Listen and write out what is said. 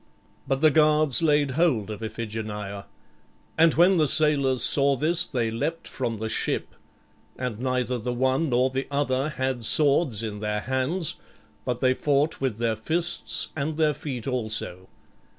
But the guards laid hold of Iphigenia; and when the sailors saw this they leapt from the ship; and neither the one nor the other had swords in their hands, but they fought with their fists and their feet also.